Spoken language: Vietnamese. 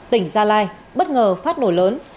tỉnh gia lai bất ngờ phát nổ lớn